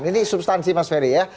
ini substansi mas ferry ya